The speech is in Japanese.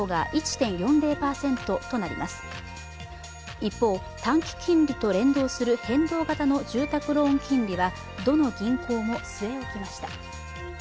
一方、短期金利と連動する変動型の住宅ローン金利はどの銀行も据え置きました。